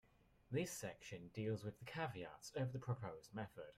This section deals with the caveats of the proposed method.